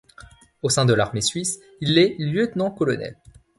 Au sein de l'armée suisse, il est lieutenant-colonel.